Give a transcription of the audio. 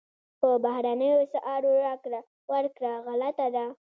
په بهرنیو اسعارو راکړه ورکړه غلطه ده.